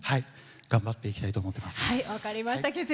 頑張っていきたいと思っています。